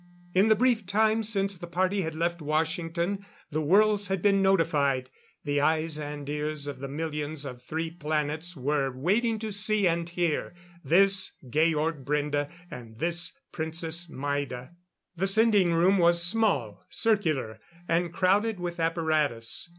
In the brief time since the party had left Washington, the worlds had been notified. The eyes and ears of the millions of three planets were waiting to see and hear this Georg Brende and this Princess Maida. The sending room was small, circular, and crowded with apparatus.